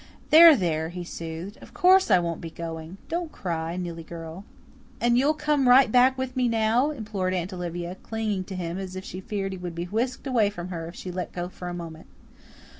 "There, there," he soothed. "Of course I won't be going. Don't cry, Nillie girl." "And you'll come right back with me now?" implored Aunt Olivia, clinging to him as if she feared he would be whisked away from her yet if she let go for a moment.